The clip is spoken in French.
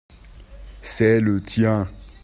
c'est le tien.